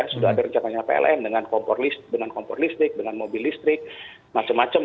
sudah ada rencananya pln dengan kompor listrik dengan mobil listrik macam macam